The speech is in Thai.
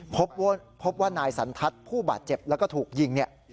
พบว่านายสันทัศน์ผู้บาดเจ็บแล้วก็ถูกยิงเนี่ย